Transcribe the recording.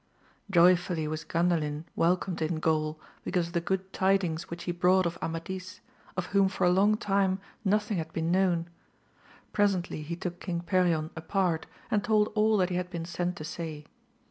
OYFCTLLY was Gandalin welcomed in Gaul because of the good tidings which he brought of Amadis, of whom for long time nothing had been known. Presently he took King Perion apart, and told all that he had been sent to say.